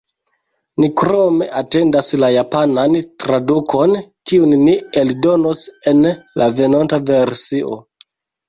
Ni krome atendas la japanan tradukon, kiun ni eldonos en la venonta versio.